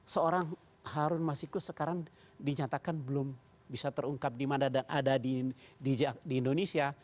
seorang harun masiku sekarang dinyatakan belum bisa terungkap di mana dan ada di indonesia